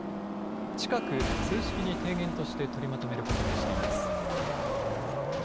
近く正式に提言として取りまとめることにしています。